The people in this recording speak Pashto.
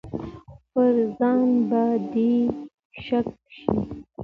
پر ځان به دې شک شي.